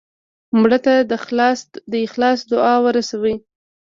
مړه ته د اخلاص دعا ورسوې